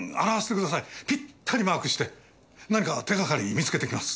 ぴったりマークして何か手がかり見つけてきます。